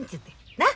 なっ？